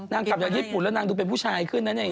กลับจากญี่ปุ่นแล้วนางดูเป็นผู้ชายขึ้นนะเนี่ย